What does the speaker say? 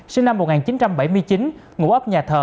sinh năm một nghìn chín trăm bảy mươi chín ngụ ấp nhà thờ